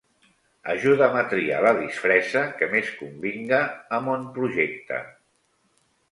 Ajuda'm a triar la disfressa que més convinga a mon projecte.